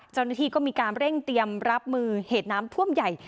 เจ้าหน้าที่ก็มีการเร่งเตรียมรับมือเหตุน้ำท่วมใหญ่